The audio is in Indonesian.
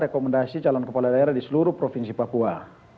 rekomendasi calon kepala daerah di seluruh provinsi papua